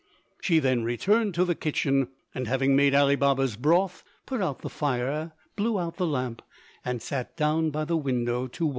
She then returned to the kitchen, and having made Ali Baba's broth, put out the fire, blew out the lamp, and sat down by the window to watch.